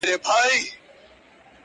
زه لرمه کاسې ډکي د همت او قناعته,